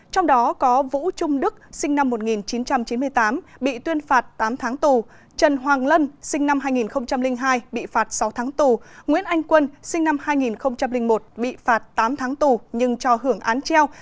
trong đó có vũ trung đức sinh năm một nghìn chín trăm chín mươi tám bị tuyên phạt tám tháng tù trần hoàng lân sinh năm hai nghìn hai bị phạt sáu tháng tù nguyễn anh quân sinh năm hai nghìn một bị phạt tám tháng tù nhưng cho hưởng án treo